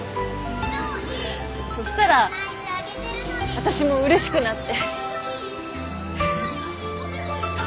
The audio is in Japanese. そしたら私も嬉しくなって。